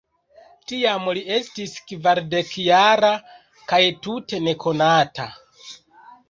Tiam li estis kvardek-jara kaj tute nekonata.